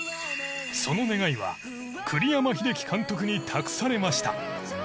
その願いは栗山英樹監督に託されました。